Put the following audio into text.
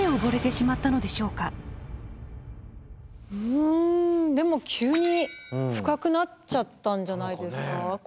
うんでも急に深くなっちゃったんじゃないですか。